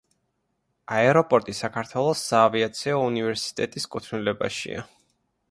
აეროპორტი საქართველოს საავიაციო უნივერსიტეტის კუთვნილებაშია.